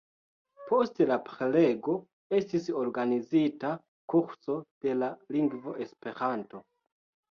Post la prelego estis organizita kurso de la lingvo Esperanto.